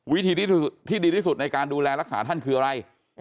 วิธีที่ดีที่สุดในการดูแลรักษาท่านคืออะไร